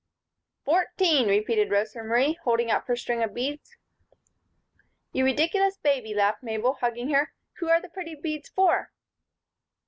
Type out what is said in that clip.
"Fourteen," repeated Rosa Marie, holding up her string of beads. "You ridiculous baby!" laughed Mabel, hugging her. "Who are the pretty beads for?"